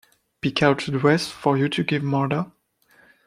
Pick out a dress for you to give Martha?